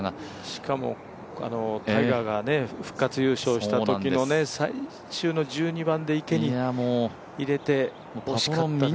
しかもタイガーが復活優勝したときの最終の１２番で池に入れて、惜しかったですね。